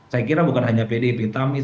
saya kira bukan hanya pdp tapi